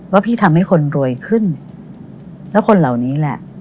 ว่าพี่ทำให้คนรวยขึ้นแล้วคนเหล่านี้แหละ